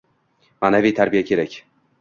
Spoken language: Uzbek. Ma’naviy tarbiya kerak!